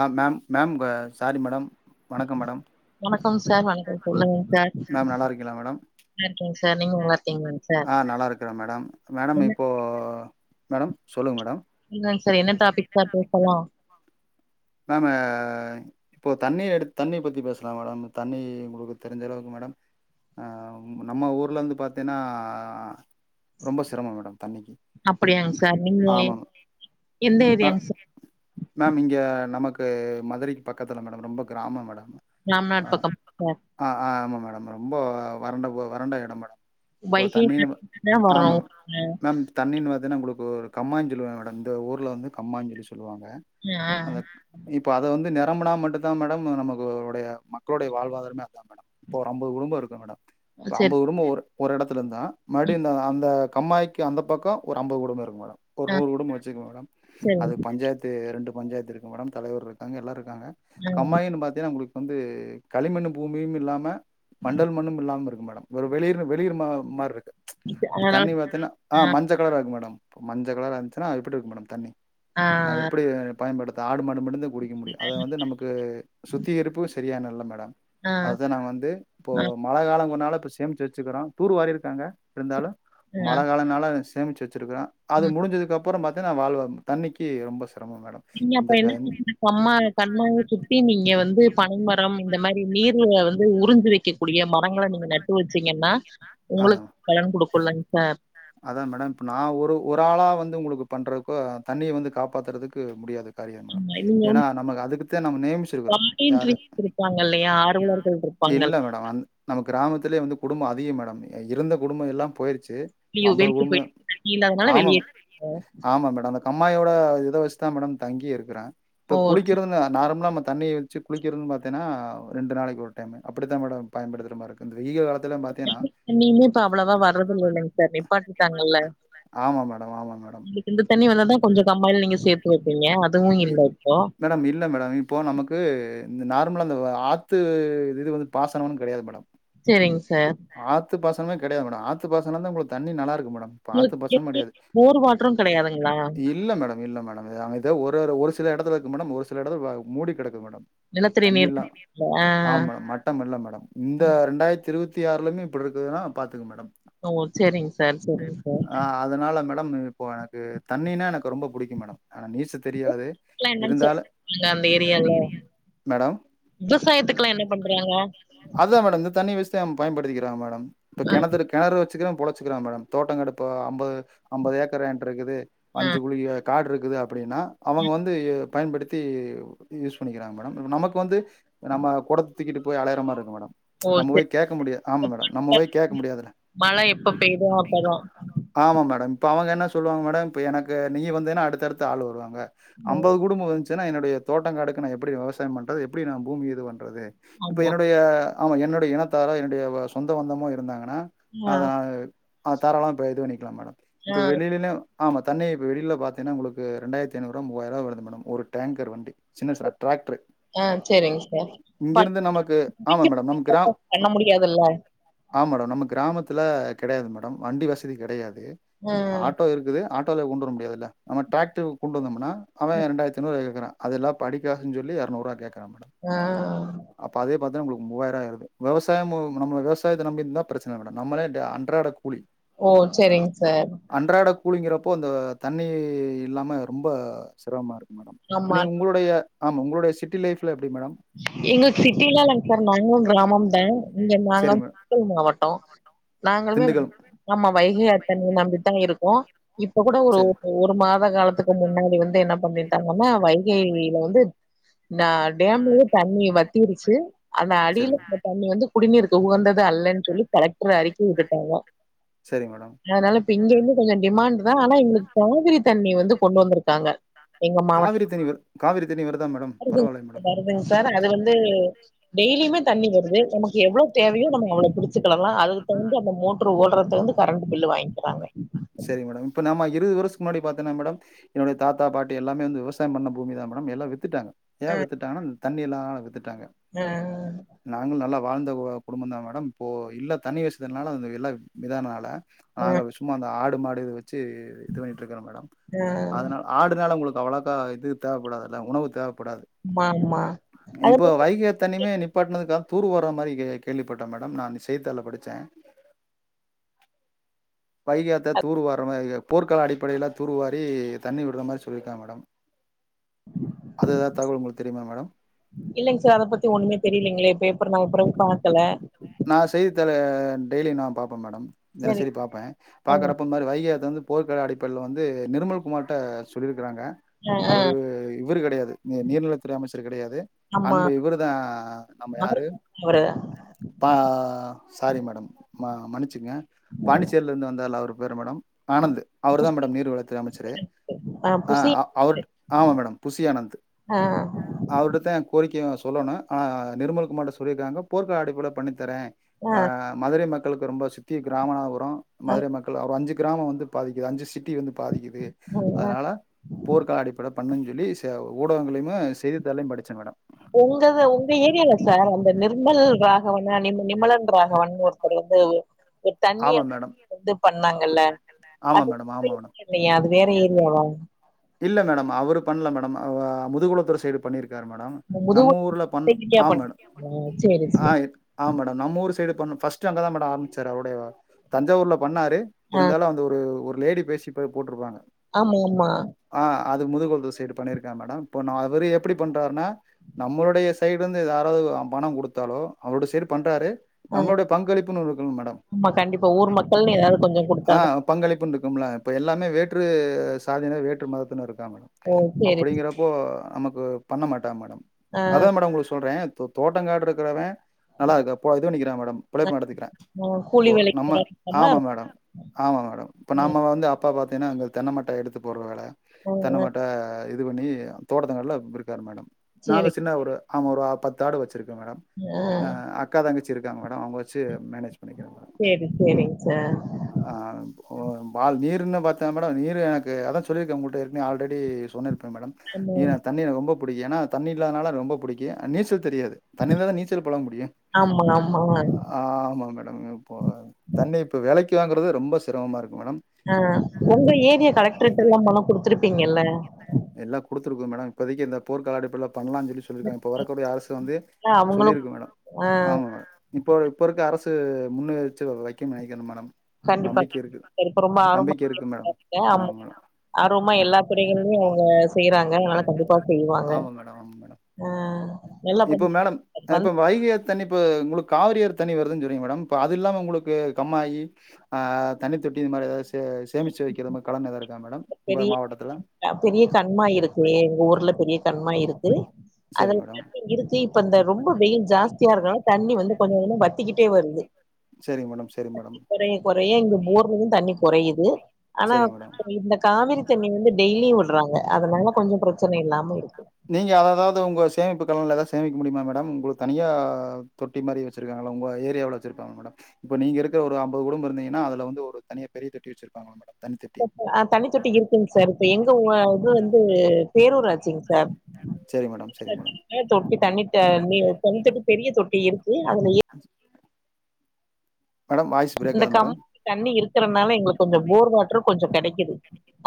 ஆஹ் ma'am ma'am sorry madam வணக்கம் madam வணக்கம் sir வணக்கம் சொல்லுங்க சார் மேம் நல்லா இருக்கிலா மேடம் நல்லா இருக்கேங்க சார் நீங்க நல்லா இருக்கீங்களாங்க சார் ஆஹ் நல்லா ருக்குற மேடம் மேடம் என்ன இப்போ மேடம் சொல்லுங்க மேடம் என்னங் சார் என்ன டாபிக் சார் பேசலா மேமு இப்போ தண்ணி எடு தண்ணி பத்தி பேசலா மேடம் தண்ணி உங்களுக்கு தெரிஞ்ச அளவுக்கு மேடம் ஆஹ் நம்ம ஊர்லருந்து பாத்தீன்னா ரொம்ப சிரமம் மேடம் தண்ணிக்கு அப்படியாங்க சார் நீங்க ஆமா எந்த ஏரியாங்க சார் மேம் இங்க நமக்கு மதுரக்கு பக்கத்தில மேடம் ரொம்ப கிராமம் மேடம் நம் ஆ நாட்டு பக்கம் ஆ ஆ ஆமா மேடம் ரொம்ப வறண்ட வறண்ட எடம் மேடம் இப்போ வைகை தண்ணி தண்ணிதா ஆமா வருமில்ல மேம் தண்ணின்னு பாத்தீங்கன்னா உங்களுக்கு ஒரு கம்மா சொல்லுவாங் மேடம் இந்த ஊர்ல வந்து கம்மா சொல்லி சொல் ஆஹ் இப்ப அத வந்து நிரம்புனா மட்டும் தா மேடம் நமக்கு உடைய மக்களுடைய வாழ்வாதாரமே இதா மேடம் இப்ப ஒரு அம்பது குடும்பம் இருக்கு மேடம் ஆ, ப்ப சரி அம்பது குடும்பம் ஒரு ஒரு எடத்துலந்தா ம். மடிந்த அந்தெ கம்மாயிக்கு அந்தபக்கம் ஒரு அம்பது குடும்பம் இருக்கு மேடம் ஒரு ஆ, நூறு குடும்பொ வச்சுக்க மேடம் சரிங்க அதுக் பஞ்சாய்த்து ரெண்டு பஞ்சாயத்து மேடம் தலைவர் இருக்காங்க எல்லாருக் காங்க ஆ, கம்மாயின் பாத்திங்கனா உங்ளுக் வந்து களிமண்ணுபூமியும் இல்லாம மண்டல் மண்ணும் இல்லாம இருக் மேடம் ஒரு வெளிர் வெளிர் மா மார் இருக் இது- அதனால தண்ணி பாத்தினா ஹ ஆ, மஞ்ஜ கலர்ராக்கு மேடம் இப்ப மஞ்ஜ கலரா இருந்துச்சன்னா அது எப்டிருக்கும் மேடம் தண்ணி ஆ, அது எப்டி பயன்படுத் ஆடு மாடு மட்டுந்தா குடிக்க முடியும் அத வந்து நமக்கு சுத்திகரிப்பும் செரியான இல்லை மேடம் ஆ, அத தா நா வந்து ப்போ ஆ, மழ காலங்கனால சேம்ச்சு வச்சிக்கிறோம் தூர்வாரி ருக்காங்க சரி. இருந்தாலும் ஆ, மழ காலன்னால சேமிச்சு வெச் சிருக்க அது ம். முடிஞ்சதுக் அப் ப்புறோ பாத்தினா வாழ்வா தண்ணிக்கு ரொம்ப சிரமம் மேட் நீங்க அப்ப என்ன திரும்பி கம்மா கம்மாய சுத்தி நீங்க வந்து பனமரம் இந்த மாரி நீர்ல வந்து உறிஞ்சு வக்க கூடிய மரங்ள நீங்க நட்டு வச்சீங்கன்னா அதா உங்ளுக் பலன் குடுக்குல்ல அதா மேடம் இப்ப நா ஒரு ஒரு ஆளா வந்து உங்குளுக்கு பண்றதுகோ தண்ணிய வந்து காப்பாத்துறதுக்கு முடியாது அறியாத் மேடம் ஆமா. நீங்க ஏனா வந்து நம்மக் அதுக்கு தா நம்ம நேமிச்சிருக்கோ யாரு வாலண்டரீஸ் இருப்பாங்க இல்லையா? ஆர்வலர்கள் இருப்பாங்க. இல்ல மேடம் அந் நம்ம கிராமத்துலே வந்து குடும்ப அதிகம் மேடம் இருந்த குடும்ப எல்லா போயிருச்சு இப்ப அய்யோ வேற்று குடும்பம் போயிட் தான். திருப்பி போயிட்டு தண்ணி இல்லாதனால வெளிய ஆமாம். [inaudible] அதனால ஆமா மேடம். அந்த கம்மாயோட இத வச்சுதா மேடம் தங்கியே இருக்குற இப்ப ஓ! சில குளிக்கிறதுன் நார்ம்லாம தண்ணிய வெச்சு குளிக்கிறது பாத்தேனா ரெண்டு நாளக்கு ஒரு டைம் அப்புடிதா மேடம் பயன்படுத்துற மாரி இருக்கு இந்த வெய்க காலத் நீமே இப்ப அவ்ளவா வரதுல்லலைங்க சார் நேவ் பாத்துட்டாங்கல்ல ஆமா மேடம், ஆமா மேடம். தண்ணி வந்தாதா கொஞ்ச கம்மாய்ல நீங்க சேத்து வப்பிங்க மேடம் இல்ல மேடம் இப்போ நமக்கு இந்து நார்ம்லா அந்த வ ஆத்து இது வந்து பாசனம்னு கடையாது மேடம் ரிங் த்து பாசனமே கடையது மேட ஆத்து பாசன தா உங்களுக்கு தண்ணி நல்லாருக்கு மேட் [inaudible] போரு வாட்டரு கடையாதுங்ளா இல்ல மேடம் இல்ல மேட எது அரு ஒரு சில எடத்துல இருக்கு மேட ஒரு சிலஎடத்தில் மூடி கடக்கு மேட நிலத்தடி நீர் தண்ணில்லா இல்ல. ஆ மேட மட்டம் இல்ல மேட இந்த ம். ரெண்டாயித்தி இருவத் தி ஆறுலேய்மே இப்புட்ருக்குதுனா பாத்துங்க மேடம் ஒ செரிங் சார் செரிங் சார் ஆ அதனால மேடம் இப்போ எனக்கு தண்ணீனா எனக்கு ரொம்ப புடிக்கோ மேடம் ஆனா நீசத்து க்லா என்னன் சொ இந்தக்கால் ஏரியால்ல மேடம் விவசாயத்துக்லா என்ன பண்றாங்க பயபடுத்திகிறாங்க மேடம் இப்ப அ, கிணதிரு கெணரு சிக்கிற புழச்சுக்கிறா மேடம் தோட்டம் கடுப்பு அம்பது அம்பது ஏக்கர் ஏண்ட்ருக்குது அ. அஞ்சு குழிய காடுர்ருக்குதா அப்டினா அவுங்க வந்து எ பயன்படுத்தி யூஸ் பண்ணிகிறாங்க மேடம் நமக்கு வந்து நம்ம கொட சுத்திட்டுக்கிட்டு போய் அலையுரா மாரி இருக்கு மேடம் ஓ செர் கேக்க முடிய ஆமா மேடம் நம்ம போய் கேக்க முடியாது ல மழை எப்ப பெய்யுதோ அப்பதா ஆமா மே மேடம் இப்போ அவங்க என்ன சொல்லுவாங்க மேடம் இப்போ எனக்கு நீ வந்தனா அடுத்தடுத்து ஆள் வருவாங்க ம் அம்பது குடும்போ சன்னா என்னுடைய தோட்டங் காடுக்கு நா எப்புடி வெவசாயம் பண்றது எப்புடி நா பூமி இது பண் இது இப்ப ஆமா என்னுடைய ஆமா என்னுடைய இனத் த என்னுடைய சொந்த பந்தமோ இருந்தாங்க ங்னா ஆ அதா அ ஆ தரலா பெய்து நிக்கலா மேடம் இப்ப ஆ வெளிளேலா ஆமா தண்ணி இப்ப வெளியில பாத்திங்ன்னா உங்களுக்கு ரெண்டாயிரத்து ஐநூறு ரூபாய் மூவாயிரூபாய் வருது மேடம் ஒரு டேங்கர் வண்டி சின்ன ச டிராக்டர் ஆ சேரிங்க சார் ப இங்கெருந்து நமக்கு ஆமா மேடம் நம்ம கிராம பண்ண முடியாதுல்ல ஆம் மேடம் நம்ம கிராமத்துல கெடையாது மேடம் வண்டி வசதி கெடையாது து ம் ஆட்டோ இருக்குது ஆட் ட்வ கொண்டு வர முடியாதுல்ல நம்ம டிராக்டர் கொண்டு வந்தொம்னா அவன் இரண்டாயிரத்தி ஐந்நூறு வாய் கேக்குறா அதெல்லா படிக்காசுனு சொல்லி இருநூறு ரூவா கேக்கு ஆஹ் இப்ப தா உங்களுக்கு மூவாயிரோ வருது வெவசாயமும் நம்ம விவசாயத்தை நம்பி இருதா பிரச்சன மேடம் நம்மளே டே அன்றாட கூலி ஓ சரிங்க சார் அன்றாட கூலிங்கிறப்போ அந்த தண்ணி இல்லாம ரொம்ப சிரமமாருக் மேடம் ஆமா நீங்க உங்களுடைய ஆமா உங்களுடைய சிட்டி லைஃப்ல எங்களது சிட்டிலா இல்லைங்க சார் நாங்களும் கிராமம் தா இங்க நாங்க சரி மேடம் திண்டுக்கல் மாவட்டோ நாங்களுமே திண்டுக்கல் ஆமா வைகையாறு தண்ணிய நம்பித் தா இருக்கோ இப்ப கூட ஒரு சரி ஒரு மாத ந்த காலத்துக்கு முன்னாடி வந்து என்ன பண்ணிட்டாங்கன்னா வைகையில வந்து டேம்ல தண்ணி வத்திருச்சு ஆனா சரி அடியில இருந்த தண்ணி வந்து குடிநீருக்கு உகந்தது அல்லன்னு சொல்லி கலெக்டர் அறிக்கை விட்டுட்டாங்க சரி மேடம் அதனால இப்ப இங்க இருந்து கொஞ்சு டிமாண்ட்டு ஆனா எங்களுக்கு காவிரி தண்ணி வந்து கொண்டு வந்திருக்காங்க எங்க மாவட்ட காவிரி தண்ணி காவிரி தண்ணி வருதா மேடம் பரவாயில்லைங் வருதுங்க மேடம் வருதுங்க அது வந்து டெய்லியுமே தண்ணி வருது நமக்கு எவ்வளவு தேவையோ நம்ம அவ்வளோ புடிச்சக்கிடலா அதுக்கு தகுந்து அந்த மோட்டரு ஓடுறதுக்கு வந்து கரண்ட் பில்லு வாங்கிக்கிறாங்க செரி மேடம் இப்ப நம்ம இருபது வருஷத்துக்கு முன்னாடி பாத்தனா மேடம் என்னுடைய தாத்தா பாட்டி எல்லாமே வந்து விவசாயம் பண்ண பூமி தா மேடம் எல்லா வித்துட்டாங்க ஏ ஆ வித்துட்டாங் தண்ணிலா‌ வித்துட் டாங்க ஆ நாங்கள் நல்லா வாழ்ந்த குடும்பந்தா மேடம் போ இல்ல தண்ணி வசதி அந்த வில்லா விதானனால ஆ நாங்க விஸ்மா ஆடு மாடுது வெ ச்சு இது பண்ணிட்ருக்குற மேடம் அதனா ஆடுனால உங்ளு அவளக்கா இது தேவப்படாதுல்ல உணவு தேவ் படாது ஆமா ஆமா அத இப்போ பத்தி வைகை ஆத்து தண்ணியுமே நிப்பாட்டனதுக்கா தூரு வார மாரி கே கேள்விப்பட்ட மேடம் நா செய்திதாள்ல படிச்ச வைகையாத்த தூர்வார்ற மா போர்கால அடிப்படைல தூர்வாரி தண்ணி விட்ற மாரி சொல்லிருக்காங்க மேடம் அது ஏதாவது தகவல் உங்களுக்கு தெரியுமா மேடம் இல்லைங் சா அத பத்தி ஒண்ணுமே தெரிலைங்ளே இப்ப ப்றோ நா அப்புறோ பாக்கல நா செய்தித்தாலு டெய்லி நா பா மேடம் சரி தெனசெரி பாப்ப ம் பாக்கறப்ப மாரி வைக ஆத்த வந்து போர்க்களா அடிப்படையில்ல வந்து நிர்மல் குமார்ட்ட சொல்லிருக்குறாங்க அ அ அவுரு இவுரு கெடையாது நீர்நிலத்துறை அமைச்சர் கெடையாது ஆமா அன்பு இவரு தா நம்ம யாரு அவரு சாரி மேடம் மன்னிச்சிக்ங்க ம். பாண்டிச்சேர்லந்து வந்தார்ல அவுரு வேற மேடம் ஆனந்த் அவ்ருதா புஸ் மேடம் நீர்வளத்து அமெச்சரு அ அ அவர் ஆமா மேடம் புசி ஆனந்த் அ அவருட்டத கோரி க்கையு சொல்லணு ஆனா நிர்மல் குமார்ட்ட சொல்லிர்க்காங்க போர்க்க அடைப்புல தரே அ வ அ மதுரை மக் க்களுக்கு ரொம்ப சுத்தி கிராமனா வரு ரு மதுரை மக்கள் ஒரு அஞ்சு கிராமொ வந்து பாதிக்குது அஞ்சு சிட் டி வந்து பாதிக்கிது அதனால போர்க்கா அடிப்பட பண்ணுன் சொல்லி செ ஊடகங்கள்ளயுமே செய்தித்தாள்ளை படிச்ச மேடம் ஒங்கது ஒங்க ஏரியால சார் அந்த நிர்மல் ராகவன்ன நிம நிமலன் ராகவன் ஒருத்தர் வந்து தண்ணீய ஆமா மேடம். [inaudible] பண்ணாங்கல்ல ஆமா அது மேடம், ஆமா மேடம். [inaudible] அது வேற ஏரியாவா இல்ல மேடம் அவரு பண்ல மேடம் அவ முதுகுலத்துற சைடு பண்ணிரு க்காரு மேடம் முதுகு நம்ம ஊர்ல பண் ஏரியா ஆம் பண் மேட சேரி ஆ சேரி ஆ மேடம் நம்மூரு ஸ் [unintelligible] பண்ணோ ஃபர்ஸ்ட் அங்கதா மேடோ ஆர்மிச்சாரு அவ்ருடைய தஞ்சாவூர்ல பண்ணாரு அ இருந்தாலு அந்த ஒரு ஒரு லேடி பேசிப் போய் போட்ருப்பாங்க ஆமா ஆமா ஆ அது முதுகுள்த்து சைடு பண்ணிருக்கா மேடம் இப்போ நா அவுரு எப்டி பண்றாருனா நம்மளுடய சைடுந்து எதா யாராது அம் பணம் குடுத்தாலோ அவரோட சைடு பண்றாரு அ நம்மளுடய பங்களிப்புன் ஒன்னுருக்கனு மேடம் ஆமா கண்டிப்பா ஊர் மக்கள்னு ஏதாவது கொஞ்சோ ஆ குடுத்தாதா பங்களிப்புன்ருக்கும்ல இப்ப எல்லாமே வேட் ற்று சாதியினர் வேட் று மதத்தினரு க்கா மேடம் ஓ சேரி அப்டிங்கறப்போ நமக்கு பண்ண மாட்டா மேடம் அ அதா மேடம் உங்ளுக் சொல்றே தோ தோட்டங் காடுருக்குறவே நல்லா இருக்கா பொ இது பண்ணிக்குறா மேடம் அ பிழைப்பு நடத்திக்கிறா கூலி இப்பொ வேலைக்கு நம்ம போறா மா ஆமா மேடம் ஆமா மேடம் இப்ப நம்ம வந்து அப்பா பாத் ஏனா அங்க தென்னமட்ட எடுத்து போட்ற வேல அ தென்ன அ மட்ட இது இது பண்ணி தோட்டத்துங்கல்ல விற்க்கார் மேடம் நாங்க சேரி சின்ன ஒரு ஆமா ஒரு ஆப் பத்தாடு வச் சிருக்கோ மேடம் அ அக்கா தங்கச் சிருக்காங் மேடம் அவ்ங்க வெச்சி மேனேஜ் பண்ணிக்கிறேன் மேடம் சேரி சேரிங் சார் ஓ பால் நீருன்னு பாத்தா மேடம் நீரு எனக்கு அதா சொல்லிர்க்கே உங் ட்ட ஆல்ரெடி சொன்னிர்க் க மேடம் ஆமா நீ நா தண்ணி எனக் ரொம்ப புடிக் ஏனா தண்ணி இல்லாதானால ரொம்போ புடிக்கு நீச்ச ல் தெரியாது தண்ணில தா நீச்சல் பழக முடியு ஆமா ஆமா ஆமா மேட ம் [unintelligible] போ தண்ணி இப்போ வெலக்கி கி வாங்கறது ரொம்ப சிரமமா இருக் ஆ உங்க ஏரியா கலெக்ட்ரெட்டல்லா மனு குடுத்ரு பிங்கல்ல எல்லா குடுத்துருக்கு மேடோ இப்போதைக்கு எந்த போர்க்கால அடிப்பட்ல பண்லா சொல்லி சொல்லிருக்காங் இப்ப வரக்கூடிய அரசு வந்து அவங்களு சொல்லிருக்கு மேடோ ஆ ஆமா இப்ப இப்பருக்க அரசு து முன்னயாச்சு வக்காக்ஷஷஷஷஷ்யரவைக்கும் நெனக்கணுமா மேடம் கண்டிப்பா நம்பிக்கை கண் இருக்கு இப்ப இருக்கரமா ஆர்வமா நம்பிக்கை [unintelligible] இருக்கு மேடம் இருக்க ஆமா மேடம் ஆர்வமா எல்லா துறைகளயு செய்யறாங்க ஆனா கண்டிப்பா செய்வாங்க ஆமா மேடம் ஆமா மேடம் ஆ நல்லா இப்போ மேடம் பண்ணிருக்காங்க இப்ப வந்து வைகையாத்து தனி பு உங்களுக்கு காவிரியர் தண்ணி வருதுன் சொன்னீங்க மேடம் அதுல்லாம உங்களுக்கு கம்மாயி ஆ தண்ணி தொட்டி இந் மாரி ஏதாச் தே சேமிச்சு வைக்கிற மாரி கலம் எதா இருக் பெரிய பெரிய கண்மாய் இருக்கு எங்க ஊர்ல பெரிய கண்மாய் இருக்கு அதுல சரிங்க மேடம் [unintelligible] இப்ப இந்த ரொம்ப வெயில் ஜாஸ்தியா இருக்கனால தண்ணி வந்து கொஞ்சோ கொஞ்சோ வத்திக்கிட்டே வருது செரி மேடம் செரி மேடம் நெறைய இங்க போர்லயு தண்ணி கொறையுது ஆனா சரிங்க மேடம் இந்த காவிரி தண்ணி வந்து டெய்லி வுடுறாங்க அதனால கொஞ்ச பிரச்சன இல்லாம இருக்கு அக்கௌன்ட்ல ஏதா சேமிக்க முடியுமா மேடம் உங்களுக்கு தனியா தொட்டி மாரி வச்சிருக்காங்களா உங்கள ஏரியாவுல வச்சிருப்பாங்க மேடம் இப்போ நீங்கள் இருக்க ஒரு ஐம்பது குடும்ப இருந்தீங்கன்னா அதில் வந்து ஒரு தனியா பெரிய தொட்டி வச்சுருப்பாங்களா மேடம் தண்ணி தொட்டி. ஆ தண்ணி தொட்டி இருக்குங்க சார் இப்பயே எங்கோ உ ஆ இது வந் பே பேரூராட்சிங்க சரி மேடம், சரி மேடம். த தொட்டி தண்ணி [unintelligible] அங்கயே தண்ணி தொட்டி பெரிய தொட்டி இரு ம் அதுல எ மேடம் வாய்ஸ் பிரேக் இந்த ஆகுது கம் மேடம். தண்ணி இருக்கு இருக்கிறதுனால எங்களுக்கு கொஞ்சம் போர் வாட்டரும் கொஞ்சம் கிடைக்குது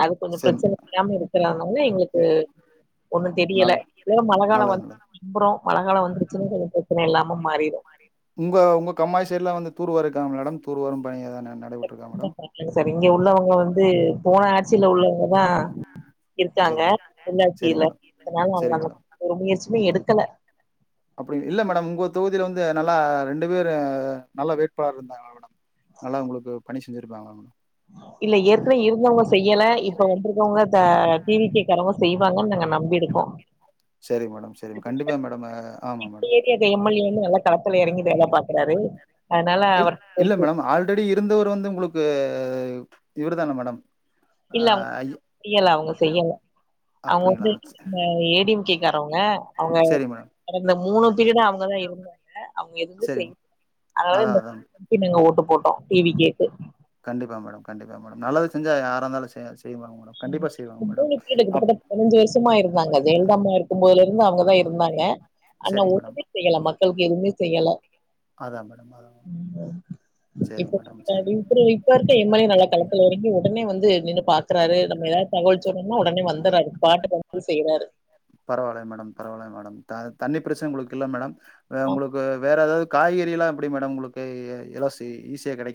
அது கொஞ்சம் சரி பிரச்சனை இல்லாம இருக்கிறதுனால எங்களுக்கு ம் ஒண்ணும் தெரியல நல் ஜுன்மழை காலம் நல்லது மேடம். வந்துரும் மழகாலம் வந்தருச்னா கொஞ்சம் பிரச்சனை இல்லாம மாறிடும் உங்க உங்க கம்மாய் சைடு எலாம் வந்து தூர்வாரி இருக்காங்கங்களா மேடம் தூர் வாரும்பயங்தானே நடைபெற்றிருக்கா மேடம் சார் இங்க உள்ளவங்க வந்து போன ஆட்சியில உள்ளவங்க இருக்காங்க சரி மேடம். சரி உள்ளாட்சியில மேடம், அதனால சரி நமக்கு மேடம். ஒரு முயற்சி இன்னும் எடுக்கல அப்படி இல்ல மேடம் உங்க தொகுதியில வந்து நல்லா ரெண்டு பேர் நல்ல வேட்பாளர் இருந்தாங்களா மேடம் நல்லா உங்களுக்கு பணி செஞ்சிருக்காங்களா மேடம் இல்ல ஏற்கனவே இருந்தவங்க செய்யலை இப்ப வந்திருக்கவங்க டிவி கே காரவங்க செய்வாங்கன்னு நாங்க நம்பி இருக்கோம் சரி மேடம் சரி மேடம் கண்டிப்பா மேடம் ஆமா மேடம் வேலை பாக்குறாரு அதனால இ அவருக்கு இல்ல பொறுப்பு மேடம் ஆல்ரெடி இருந்தவர் வந்து உங்களுக்கு இவரு தான மேடம் அ இல்ல அவுங் ஐ செய்யல அவுங்க செய்யல அவுங்க அப்டிங்களா வந்து ஏ டி எம் கே காரவுங்க அவுங்க சரி மேடம் கடந்த மூணு இதுதா அவுங்கதா இருந்தா ங்க அவுங்க இருந்து சரி செய் அதனால அதா அதா இந்த [inaudible] ஓட்டு போட்டோம் டி வி கே க்கு கண்டிப்பா மேடம் கண்டிப்பா மேடம் நல்லது செஞ்சா யாராயிருந்தாலு செய வந்து இந்த தொகுதியில அப் கிட்டதட்டப்பதினஞ்சு வருசமா இருந்தாங்க ஜெயலலிதாம்மா இருக்கும் போதுலே இருந்து அவுங்கதா இருந்தாங்க ஆனா சரி மேடம் ஒன்னுமே செய்யல மக் தொகுதிக்கு எதுவுமே செய்யல அதா மேடம் அதா சரிங்க இப்ப மேடம் ப சரி இப்டி இப்ப இருக்க எம் எல் ஏ நல்லா களத்துல எறங்கி ஒடனே வந்து நின்னு பா நம்ம எதாவது தகவல் சொன்னம்னா ஒடனே வந்துறாரு ஸ்பாட்டுக்கு வந்து செய்றாரு ப்ரசம் உங்களுக்கு இல்லே மேடம் உங்களுக்கு வேற எதாது காய்கறி எல்லாம் எப்படி மேடம் உங்களுக்கு எ எலா ஈஸியா கெடைக்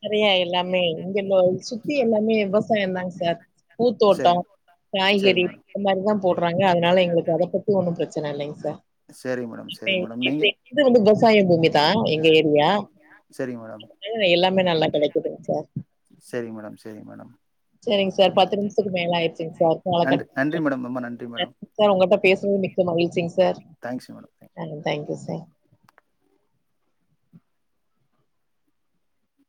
நெறைய எல்லாமே இங்க சுத்தி எல்லாமே விவ விவசாயம்தாங்க சார் சரி பூத்தோட்டோம் காய்கறி சரிங்க மேடம் இந்த மாரிதா போட்றாங்க அதனால எங்களுக் அத பத்தி ஒன்னும் பிரச்சன இல்லெங் சார் சரி மேடம் இப்பெ சரி மேடம் நீங்க எப்பெ [unintelligible] விவசாய பூமி தா எங்க ஏ ரியா சரிங்க மேடம் இங்க எல்லா நல்லா கெடைக்குதுங் சார் சரிங்க மேடம் சரிங்க மேடம் சேரிங் சார் பத்து நிமிசுத்துக்கு மேல ஆயிட்சுங் சார் ஃபோன நன்றி கட் நன்றி மேடம் ரொம்ப நன்றி மேடம் [inaudible] சார் உங்கள்ட பேசுனது மிக்க மகிழ்ச்சிங் சார் தேங்க்ஸ் மேடம் ஆ தேங்க் யூ ம்